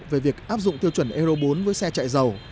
về việc áp dụng tiêu chuẩn euro bốn với xe chạy dầu